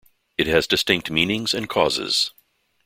It has distinct meanings and causes.